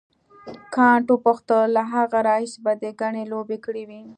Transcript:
کانت وپوښتل له هغه راهیسې به دې ګڼې لوبې کړې وي.